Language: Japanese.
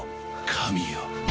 神よ。